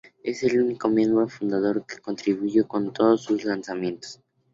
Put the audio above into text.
Es el único miembro fundador que contribuyó con todos sus lanzamientos.